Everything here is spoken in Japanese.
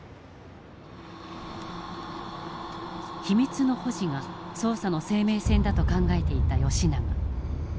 秘密の保持が捜査の生命線だと考えていた永。